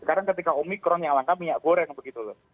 sekarang ketika omikron yang langka minyak goreng begitu loh